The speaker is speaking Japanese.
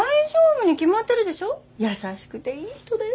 優しくていい人だよ。